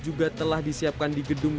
juga telah disiapkan di gedung